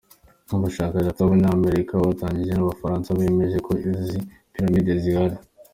Abashakashatsi b’Abanyamerika bafatanyije n’Abafaransa bemeje ko izi Pyramides zihari.